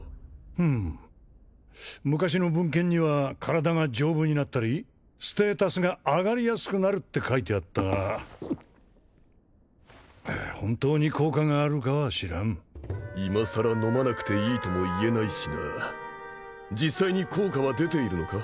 ふむ昔の文献には体が丈夫になったりステータスが上がりやすくなるって書いてあったが本当に効果があるかは知らん今さら飲まなくていいとも言えないしな実際に効果は出ているのか？